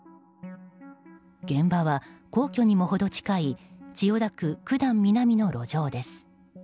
現場は皇居にも程近い千代田区九段南の路上です。